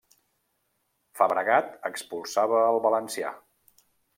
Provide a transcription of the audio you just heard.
Fabregat expulsava el valencià.